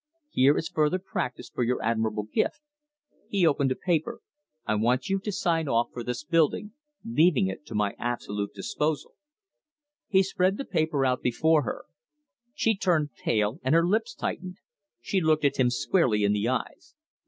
"Here is further practice for your admirable gift." He opened a paper. "I want you to sign off for this building leaving it to my absolute disposal." He spread the paper out before her. She turned pale and her lips tightened. She looked at him squarely in the eyes.